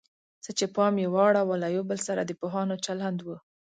څه چې پام یې واړاوه له یو بل سره د پوهانو چلند و.